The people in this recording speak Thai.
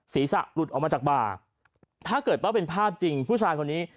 ศีรษะหลุดออกมาจากบ่าถ้าเกิดว่าเป็นภาพจริงผู้ชายคนนี้